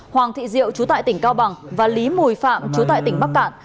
hoàng thị diệu chú tại tỉnh cao bằng và lý mùi phạm chú tại tỉnh bắc cạn